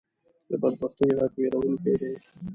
د بدبختۍ غږ وېرونکې دی